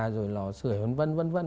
rồi lò sửa vân vân vân vân